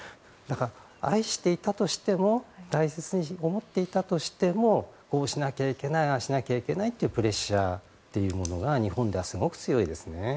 愛していたとしても大切に思っていたとしてもこうしなきゃいけないああしなきゃいけないというプレッシャーというものが日本ではすごく強いですね。